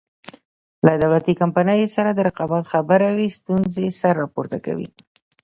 له دولتي کمپنیو سره د رقابت خبره وي ستونزې سر راپورته کوي.